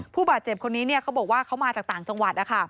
ผู้บาดเจ็บคนนี้เขาบอกว่าเขามาจากต่างจังหวัด